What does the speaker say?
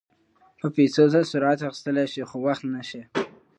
په پیسو سره ساعت اخيستلی شې خو وخت نه شې.